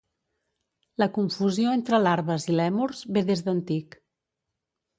La confusió entre larves i lèmurs ve des d'antic.